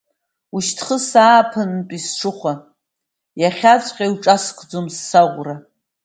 Ушьҭхысаа, ааԥынтәи сҽыхәа, иахьаҵәҟьа иуҿаскӡом саӷәра.